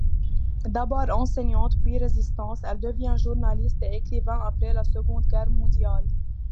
D'abord enseignante, puis Résistante, elle devient journaliste et écrivain après la Seconde Guerre mondiale.